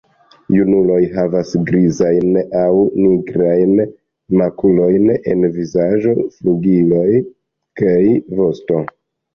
Junuloj havas grizajn aŭ nigrajn makulojn en vizaĝo, flugiloj kaj vosto.